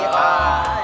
selamat pagi om